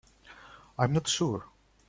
I am not sure.